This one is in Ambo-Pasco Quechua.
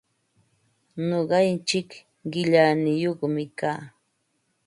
Nuqaichik qillaniyuqmi kaa.